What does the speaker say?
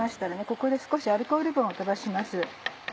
ここで少しアルコール分を飛ばします。